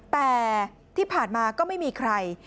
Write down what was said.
แต่ที่ผ่านมาก็ไม่มีใคร